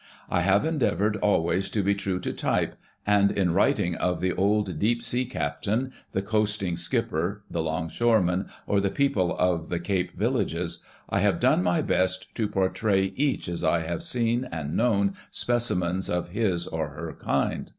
I have endeavored always to be true to tyj^e, and in writing of the old deep sea captain, the coasting skipper, the longshoreman or the people of the Cape villages, I have done my best to portray each as I have seen and known specimens 10 JOSEPH CROSBY LINCOLN of his or her kind.